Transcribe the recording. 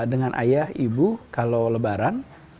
dengan ayah ibu kalau lebaran